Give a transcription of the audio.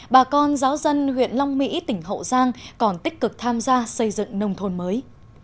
bà con giáo dân huyện long mỹ tỉnh hậu giang còn tích cực tham gia xây dựng nông thôn mới